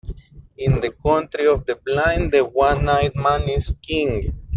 In the country of the blind, the one-eyed man is king.